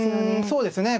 そうですね。